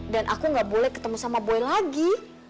dan aku gak boleh ketemu sama boy lagi